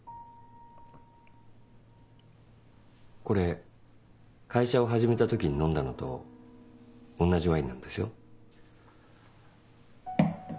これ会社を始めた時に飲んだのと同じワインなんですよ。